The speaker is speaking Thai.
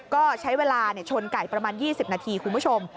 ก็ใช้เวลาชนไก่ประมาณ๒๐นาทีคุณผู้ชม